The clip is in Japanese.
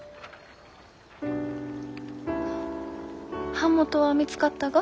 版元は見つかったが？